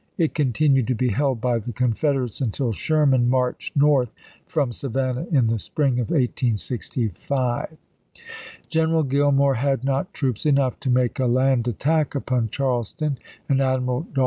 It continued to be held by the Confed erates until Sherman marched North from Savan nah in the spring of 1865. General Gillmore had not troops enough to make a land attack upon Charleston, and Admiral Dahl 442 ABKAHAM LINCOLN chap.